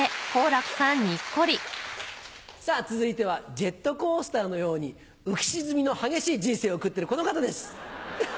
さぁ続いてはジェットコースターのように浮き沈みの激しい人生を送ってるこの方です。